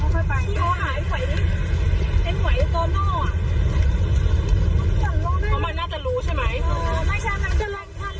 เพราะมันน่าจะรู้ใช่ไหม